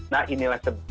nah inilah sebuah hal